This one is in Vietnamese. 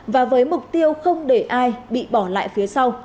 và với mục tiêu không để ai bị bỏ lại phía sau